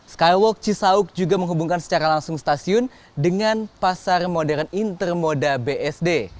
skywalk cisauk juga menghubungkan secara langsung stasiun dengan pasar modern intermoda bsd